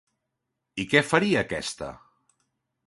I què faria aquesta?